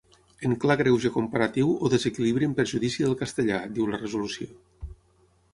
En clar greuge comparatiu o desequilibri en perjudici del castellà, diu la resolució.